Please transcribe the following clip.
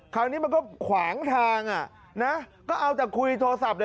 คราวนี้มันก็ขวางทางอ่ะนะก็เอาแต่คุยโทรศัพท์เลย